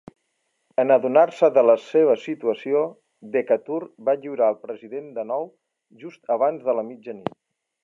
En adonar-se de la seva situació, Decatur va lliurar el "President" de nou, just abans de la mitjanit.